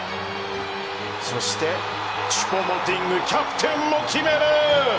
そして、チュポ・モティングキャプテンも決める！